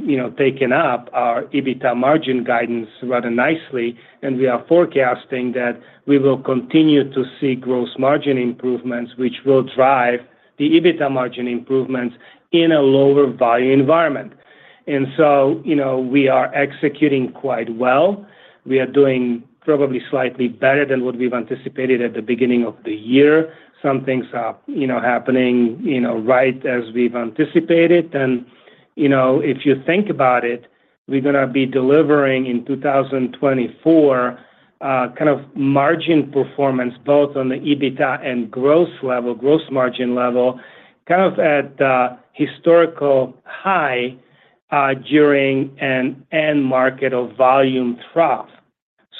you know, taken up our EBITDA margin guidance rather nicely, and we are forecasting that we will continue to see gross margin improvements, which will drive the EBITDA margin improvements in a lower volume environment. And so, you know, we are executing quite well. We are doing probably slightly better than what we've anticipated at the beginning of the year. Some things are, you know, happening, you know, right as we've anticipated. And, you know, if you think about it, we're gonna be delivering in 2024 kind of margin performance, both on the EBITDA and gross level, gross margin level, kind of at a historical high during an end market of volume trough.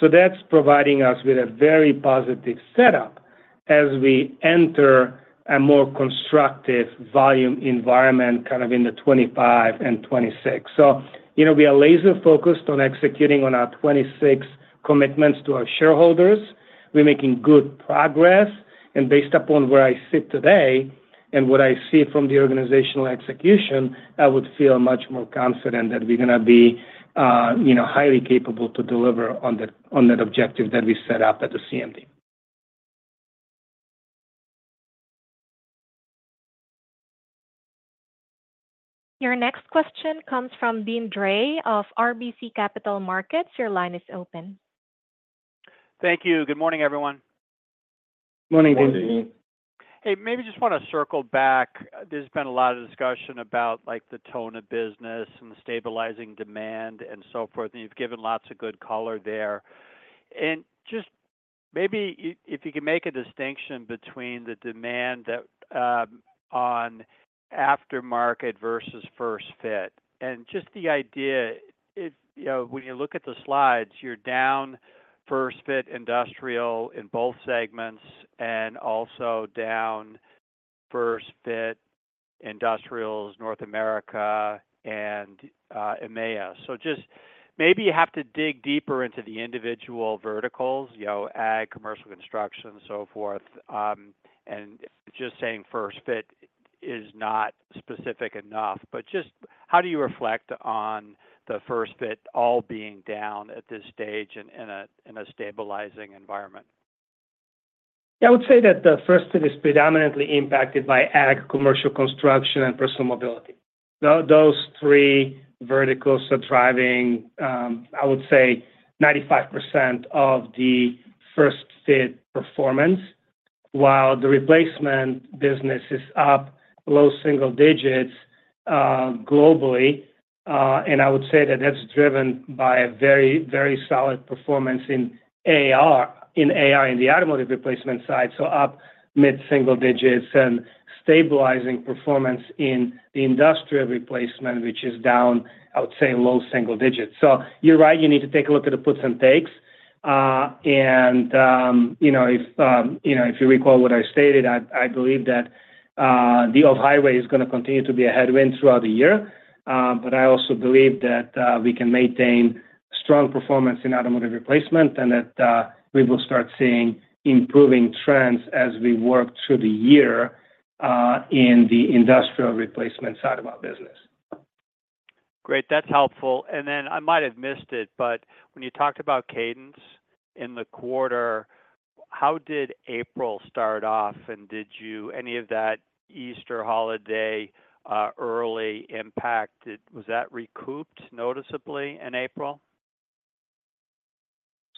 So that's providing us with a very positive setup as we enter a more constructive volume environment, kind of in the 2025 and 2026. So, you know, we are laser-focused on executing on our 2026 commitments to our shareholders. We're making good progress, and based upon where I sit today and what I see from the organizational execution, I would feel much more confident that we're gonna be, you know, highly capable to deliver on that, on that objective that we set up at the CMD. Your next question comes from Deane Dray of RBC Capital Markets. Your line is open. Thank you. Good morning, everyone. Morning, Deane. Hey, maybe just wanna circle back. There's been a lot of discussion about, like, the tone of business and the stabilizing demand and so forth, and you've given lots of good color there. Just maybe if you could make a distinction between the demand that on aftermarket versus First-Fit. Just the idea, if, you know, when you look at the slides, you're down First-Fit industrial in both segments and also down First-Fit industrials, North America and EMEA. So just maybe you have to dig deeper into the individual verticals, you know, ag, commercial construction, and so forth. And just saying First-Fit is not specific enough, but just how do you reflect on the First-Fit all being down at this stage in a stabilizing environment? Yeah, I would say that the first-fit is predominantly impacted by ag, commercial construction, and personal mobility. Those three verticals are driving, I would say 95% of the first-fit performance, while the replacement business is up low single digits, globally. And I would say that that's driven by a very, very solid performance in AR-- in AR, in the automotive replacement side, so up mid-single digits and stabilizing performance in the industrial replacement, which is down, I would say, low single digits. So you're right, you need to take a look at the puts and takes. And, you know, if, you know, if you recall what I stated, I, I believe that, the off highway is gonna continue to be a headwind throughout the year. But I also believe that we can maintain strong performance in automotive replacement, and that we will start seeing improving trends as we work through the year, in the industrial replacement side of our business.... Great, that's helpful. And then I might have missed it, but when you talked about cadence in the quarter, how did April start off? And did you any of that Easter holiday early impact? Was that recouped noticeably in April?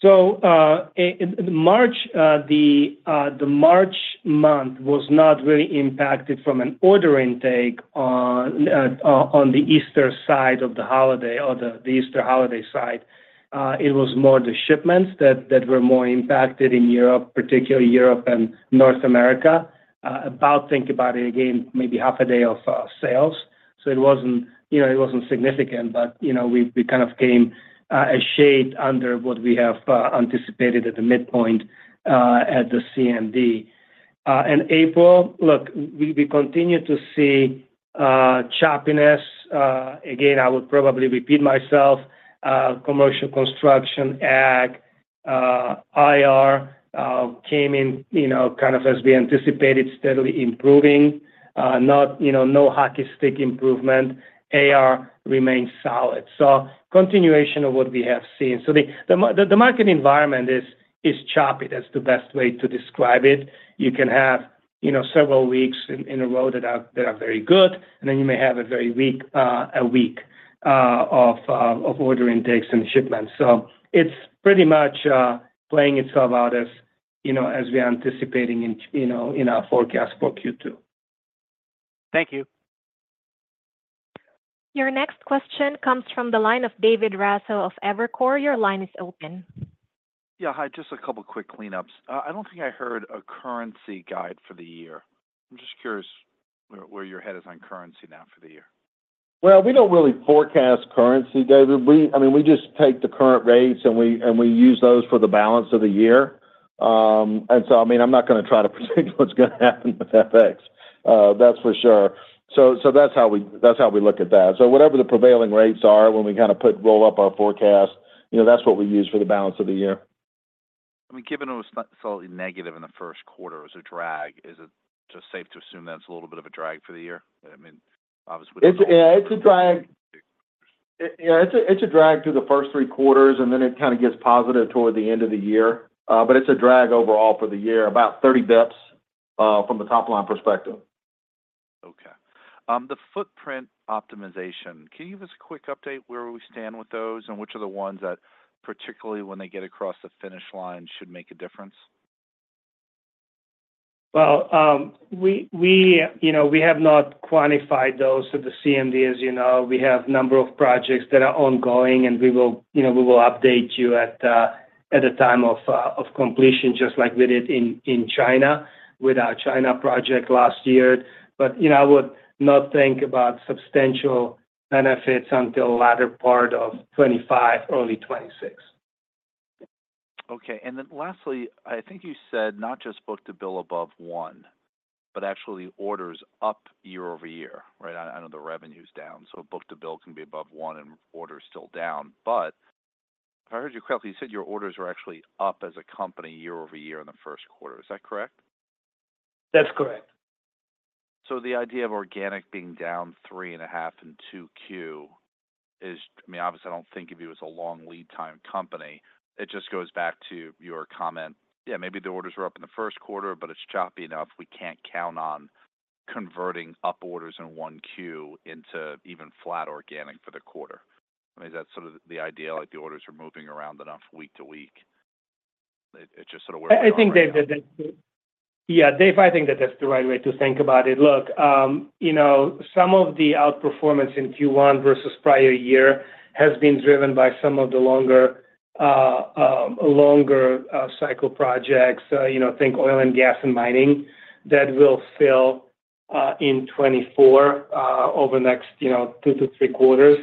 So, in March, the March month was not really impacted from an order intake on the Easter side of the holiday or the Easter holiday side. It was more the shipments that were more impacted in Europe, particularly Europe and North America. About half a day of sales. So it wasn't, you know, it wasn't significant, but, you know, we kind of came a shade under what we have anticipated at the midpoint at the CMD. In April, look, we continue to see choppiness. Again, I would probably repeat myself. Commercial construction, ag, IR came in, you know, kind of as we anticipated, steadily improving. Not, you know, no hockey stick improvement. AR remains solid. So continuation of what we have seen. So the market environment is choppy. That's the best way to describe it. You can have, you know, several weeks in a row that are very good, and then you may have a very weak week of order intakes and shipments. So it's pretty much playing itself out as, you know, as we are anticipating in, you know, in our forecast for Q2. Thank you. Your next question comes from the line of David Raso of Evercore. Your line is open. Yeah, hi, just a couple quick cleanups. I don't think I heard a currency guide for the year. I'm just curious where your head is on currency now for the year. Well, we don't really forecast currency, David. We, I mean, we just take the current rates, and we use those for the balance of the year. And so, I mean, I'm not gonna try to predict what's gonna happen with FX, that's for sure. So that's how we look at that. So whatever the prevailing rates are, when we kind of roll up our forecast, you know, that's what we use for the balance of the year. I mean, given it was slightly negative in the first quarter, it was a drag. Is it just safe to assume that it's a little bit of a drag for the year? I mean, obviously- Yeah, it's a drag. Yeah, it's a drag through the first three quarters, and then it kind of gets positive toward the end of the year. But it's a drag overall for the year, about 30 basis points, from a top-line perspective. Okay. The footprint optimization, can you give us a quick update where we stand with those, and which are the ones that, particularly when they get across the finish line, should make a difference? Well, you know, we have not quantified those. So the CMD, as you know, we have a number of projects that are ongoing, and we will, you know, update you at the time of completion, just like we did in China with our China project last year. But, you know, I would not think about substantial benefits until the latter part of 2025, early 2026. Okay. And then lastly, I think you said not just book-to-bill above one, but actually orders up year-over-year, right? I know the revenue's down, so book-to-bill can be above one, and orders still down. But if I heard you correctly, you said your orders were actually up as a company year-over-year in the first quarter. Is that correct? That's correct. So the idea of organic being down 3.5% in Q2 is... I mean, obviously, I don't think of you as a long lead time company. It just goes back to your comment, yeah, maybe the orders were up in the first quarter, but it's choppy enough, we can't count on converting up orders in one Q into even flat organic for the quarter. I mean, is that sort of the idea, like, the orders are moving around enough week to week? It, it just sort of where you are right now. I think, David, that... Yeah, Dave, I think that that's the right way to think about it. Look, you know, some of the outperformance in Q1 versus prior year has been driven by some of the longer cycle projects, you know, think oil and gas and mining, that will fill in 2024 over the next, you know, 2-3 quarters.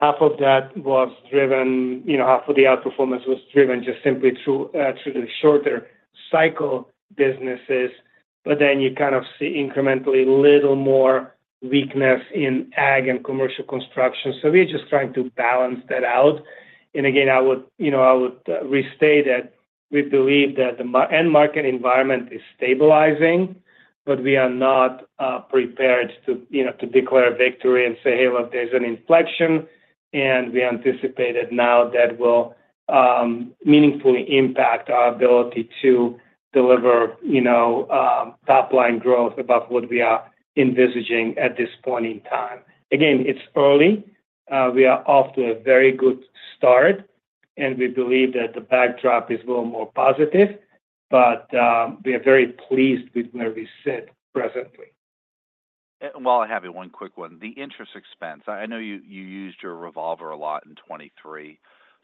Half of that was driven, you know, half of the outperformance was driven just simply through the shorter cycle businesses, but then you kind of see incrementally a little more weakness in ag and commercial construction. So we're just trying to balance that out. And again, I would, you know, I would restate that we believe that the end-market environment is stabilizing, but we are not prepared to, you know, to declare victory and say, "Hey, look, there's an inflection," and we anticipate it now that will meaningfully impact our ability to deliver, you know, top-line growth above what we are envisaging at this point in time. Again, it's early. We are off to a very good start, and we believe that the backdrop is a little more positive, but we are very pleased with where we sit presently. While I have you, one quick one. The interest expense, I know you used your revolver a lot in 2023,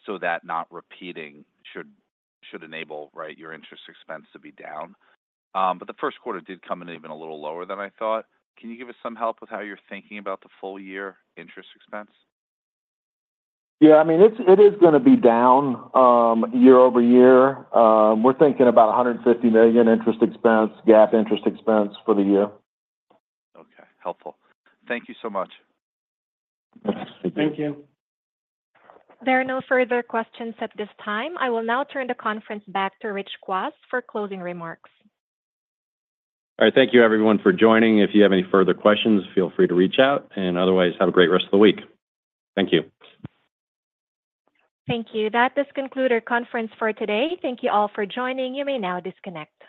so that not repeating should enable, right, your interest expense to be down. But the first quarter did come in even a little lower than I thought. Can you give us some help with how you're thinking about the full year interest expense? Yeah, I mean, it is gonna be down year over year. We're thinking about $150 million interest expense, GAAP interest expense for the year. Okay. Helpful. Thank you so much. Thank you. There are no further questions at this time. I will now turn the conference back to Rich Kwas for closing remarks. All right. Thank you, everyone, for joining. If you have any further questions, feel free to reach out, and otherwise, have a great rest of the week. Thank you. Thank you. That does conclude our conference for today. Thank you all for joining. You may now disconnect.